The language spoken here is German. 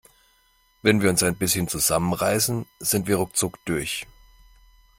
Wenn wir uns ein bisschen zusammen reißen, sind wir ruckzuck durch.